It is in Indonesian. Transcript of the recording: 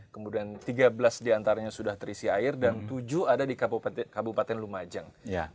kemudian tiga belas diantaranya sudah terisi air dan tujuh ada di kabupaten lumajang